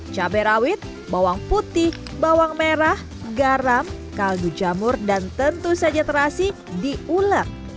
cabai rawit bawang putih bawang merah garam kaldu jamur dan tentu saja terasi diulek